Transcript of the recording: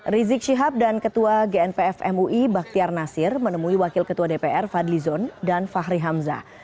rizik shihab dan ketua gnpf mui bakhtiar nasir menemui wakil ketua dpr fadlizon dan fahri hamzah